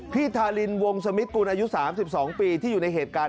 ทารินวงสมิทกุลอายุ๓๒ปีที่อยู่ในเหตุการณ์